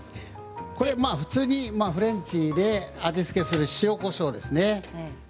普通にフレンチで味付けをする塩、こしょうですね。